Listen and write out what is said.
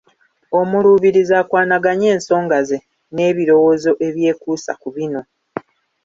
Omuluubirizi akwanaganye ensonga ze n’ebirowoozo ebyekuusa ku bino